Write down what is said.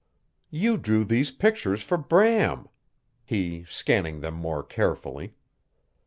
"You drew these pictures for Bram," he scanning them more carefully.